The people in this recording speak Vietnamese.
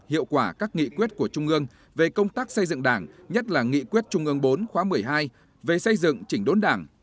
hiệu quả các nghị quyết của trung ương về công tác xây dựng đảng nhất là nghị quyết trung ương bốn khóa một mươi hai về xây dựng chỉnh đốn đảng